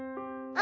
「あ！」